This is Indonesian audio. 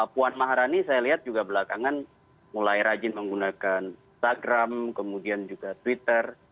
puan maharani saya lihat juga belakangan mulai rajin menggunakan instagram kemudian juga twitter